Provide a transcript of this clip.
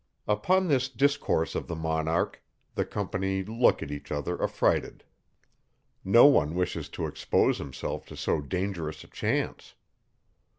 _ Upon this discourse of the monarch, the company look at each other affrighted. No one wishes to expose himself to so dangerous a chance.